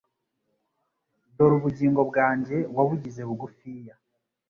Dore ubugingo bwanjye wabugize bugufiya